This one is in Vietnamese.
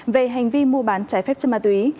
về hành vi mua bán trái phép chất ma túy